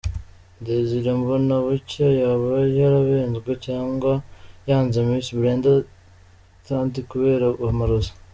Désiré Mbonabucya yaba yarabenzwe cyangwa yanze Miss Brenda Thandi kubera amarozi?.